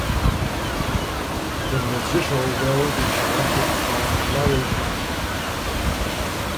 The musical will be directed by Larry Blank.